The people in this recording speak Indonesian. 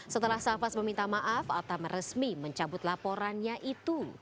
setelah safas meminta maaf atta meresmi mencabut laporannya itu